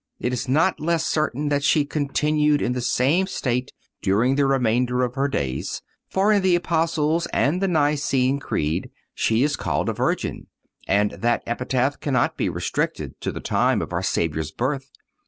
(222) It is not less certain that she continued in the same state during the remainder of her days; for in the Apostles' and the Nicene Creed she is called a Virgin, and that epithet cannot be restricted to the time of our Saviour's birth.